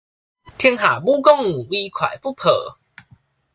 天下武功，唯快不破